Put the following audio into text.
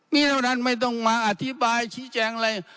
นี่เท่านั้นไม่ต้องมาอธิบายชี้แจงอะไร